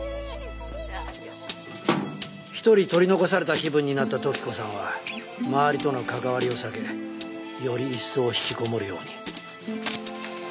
一人取り残された気分になった時子さんは周りとの関わりを避けより一層ひきこもるように。